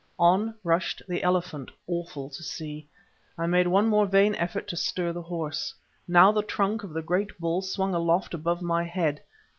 On rushed the elephant, awful to see; I made one more vain effort to stir the horse. Now the trunk of the great bull swung aloft above my head.